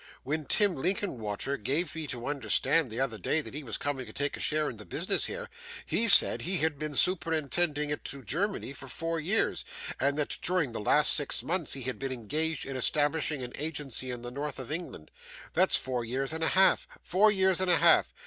When Tim Linkinwater gave me to understand the other day that he was coming to take a share in the business here, he said he had been superintending it in Germany for four years, and that during the last six months he had been engaged in establishing an agency in the north of England. That's four years and a half four years and a half.